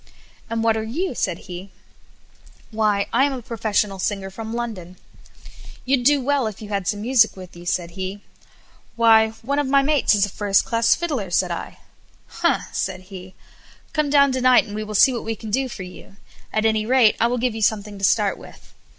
"And what are you?" said he. "Why, I am a professional singer from London." "You'd do well, if you had some music with you," said he. "Why, one of my mates is a first class fiddler," said I. "Humph!" said he; "come down to night, and we will see what we can do for you; at any rate, I will give you something to start with."